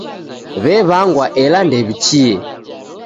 W'ew'angwa ela ndew'ichie.